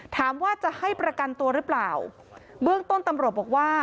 ถามว่าจะให้ประกันตัวหรือเปล่าเบื้องต้นตำรวจบอกว่า